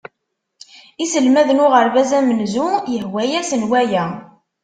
Iselmaden n uɣerbaz amezwaru yehwa-asen waya